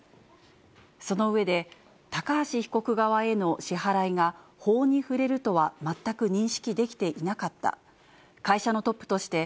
その上で、高橋被告側への支払いが法に触れるとは全く認識できていなかった。